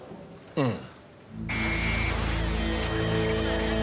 うん。